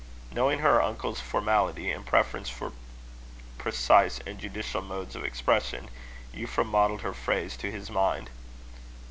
Knowing her uncle's formality, and preference for precise and judicial modes of expression, Euphra modelled her phrase to his mind.